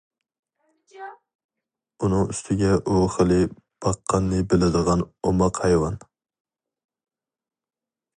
ئۇنىڭ ئۈستىگە ئۇ خىلى باققاننى بىلىدىغان ئوماق ھايۋان.